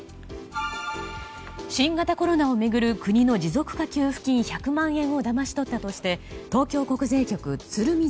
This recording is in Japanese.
新型コロナを巡る国の持続化給付金１００万円をだまし取ったとして東京国税局鶴見